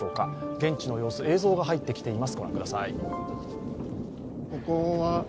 現地の様子、映像が入ってきています。